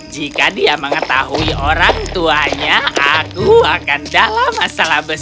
jika dia mengetahui orang tuanya aku akan dalam masalah besar